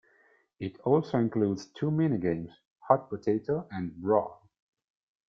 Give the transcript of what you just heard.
It also includes two minigames: Hot Potato and Brawl.